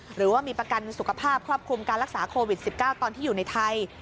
หรือว่ามีประกันสุขภาพครอบคลุมการรักษาโควิด๑๙ตอนที่อยู่ในไทย